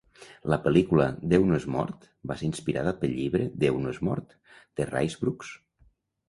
La pel·lícula "Déu no és mort" va ser inspirada pel llibre "Déu no és mort" de Rice Broocks.